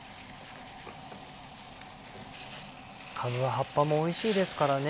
かぶは葉っぱもおいしいですからね。